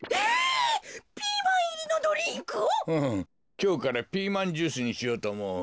きょうからピーマンジュースにしようとおもう。